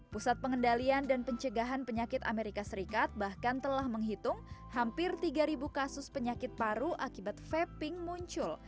pusat pengendalian dan pencegahan penyakit amerika serikat bahkan telah menghitung hampir tiga kasus penyakit paru akibat vaping muncul